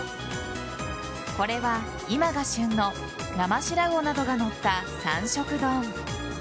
これは今が旬の生シラウオなどが載った三色丼。